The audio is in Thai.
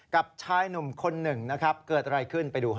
กับชายหนุ่มคนหนึ่งนะครับเกิดอะไรขึ้นไปดูฮะ